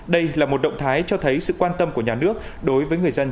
đây là một động thái cho thấy sự quan tâm của nhà nước đối với người dân